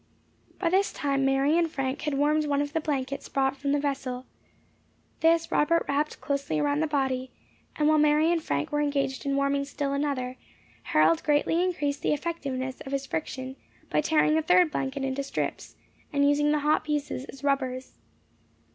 By this time Mary and Frank had warmed one of the blankets brought from the vessel. This Robert wrapped closely around the body, and while Mary and Frank were engaged in warming still another, Harold greatly increased the effectiveness of his friction by tearing a third blanket into strips, and using the hot pieces as rubbers.